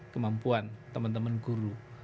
kemampuan teman teman guru